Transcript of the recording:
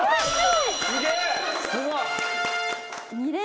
・すげえ！